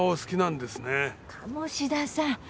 鴨志田さん。